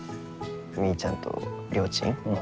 みーちゃんとりょーちん？